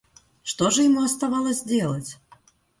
Что же ему оставалось делать?